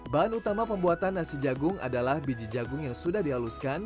bahan utama pembuatan nasi jagung adalah biji jagung yang sudah dihaluskan